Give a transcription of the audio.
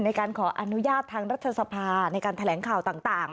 ในการขออนุญาตทางรัฐสภาในการแถลงข่าวต่าง